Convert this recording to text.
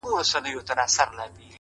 د ژوند خوارۍ كي يك تنها پرېږدې-